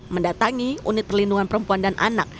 mendatangi unit perlindungan perempuan dan anak